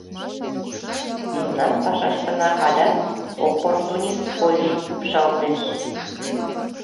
Мемнан пашаштына алят оппортунист койыш ӱпшалтеш.